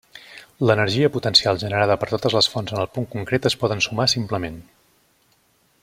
L'energia potencial generada per totes les fonts en el punt concret es poden sumar simplement.